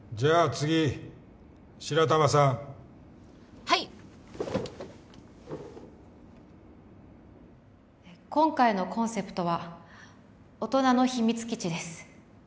次白玉さんはい今回のコンセプトは「大人の秘密基地」です